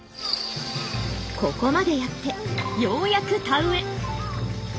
ここまでやってようやく田植え。